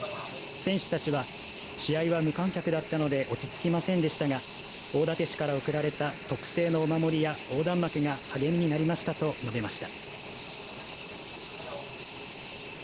選手たちは試合は無観客だったので落ち着きませんでしたが大館市から贈られた特製のお守りや横断幕が励みになりましたと述べました。